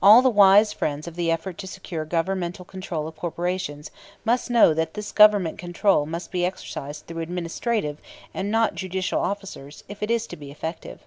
All the wise friends of the effort to secure Governmental control of corporations know that this Government control must be exercised through administrative and not judicial officers if it is to be effective.